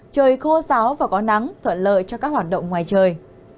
trời khô giáo và có nắng thuận lợi cho các hoạt động ngoài trời